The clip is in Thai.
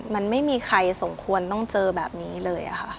มันไม่มีใครสมควรต้องเจอแบบนี้เลยค่ะ